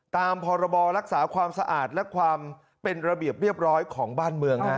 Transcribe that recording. ตามพรบรักษาความสะอาดและความเป็นระเบียบเรียบร้อยของบ้านเมือง